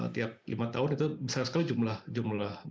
tiap lima tahun itu besar sekali jumlah